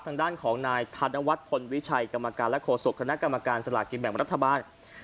ทางด้านของนายธนวัฒน์พลวิชัยกรรมการและโฆษกคณะกรรมการสลากกินแบ่งรัฐบาล